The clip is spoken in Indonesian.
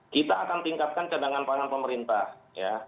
kita akan tingkatkan cadangan pangan pemerintah ya